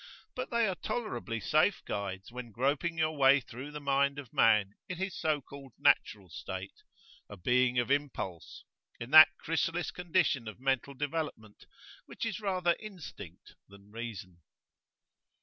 But they are tolerably safe guides when groping your way through the mind of man in his so called natural state, a being of impulse, in that chrysalis condition of mental development which is rather instinct than reason.